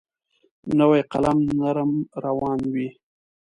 نوی قلم نرم روان وي.